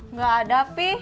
udah kok kami sama